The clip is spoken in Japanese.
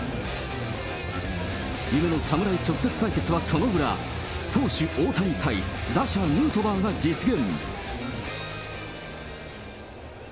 夢の侍直接対決はその裏、投手、大谷対打者、ヌートバーが実現。